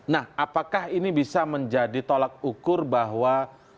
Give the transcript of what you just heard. nah apakah ini bisa menjadi tolak ukur bahwa